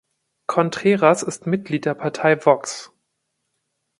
Contreras ist Mitglied der Partei Vox.